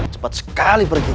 cepat sekali pergi